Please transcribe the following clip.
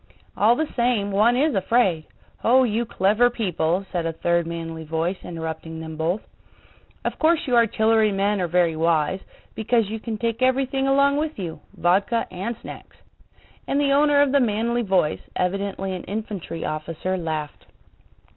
"All the same, one is afraid! Oh, you clever people," said a third manly voice interrupting them both. "Of course you artillery men are very wise, because you can take everything along with you—vodka and snacks." And the owner of the manly voice, evidently an infantry officer, laughed.